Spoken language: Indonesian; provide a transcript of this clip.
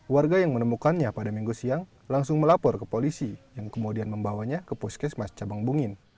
warga yang menemukannya pada minggu siang langsung melapor ke polisi yang kemudian membawanya ke puskesmas cabang bungin